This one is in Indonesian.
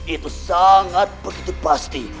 itu sangat begitu pasti